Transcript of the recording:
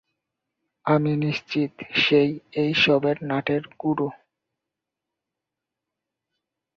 আমি নিশ্চিত সে-ই এসবের নাটের গুর।